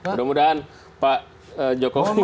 mudah mudahan pak jokowi